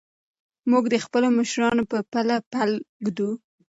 موږ د خپلو مشرانو په پله پل ږدو.